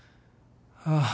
ああ